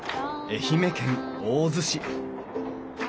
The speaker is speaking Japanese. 愛媛県大洲市。